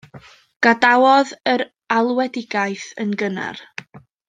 Gadawodd yr alwedigaeth yn gynnar.